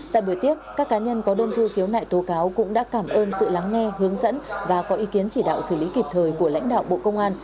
tại buổi tiếp các cá nhân có đơn thư khiếu nại tố cáo cũng đã cảm ơn sự lắng nghe hướng dẫn và có ý kiến chỉ đạo xử lý kịp thời của lãnh đạo bộ công an